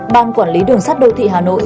ban quản lý đường sắt đô thị hà nội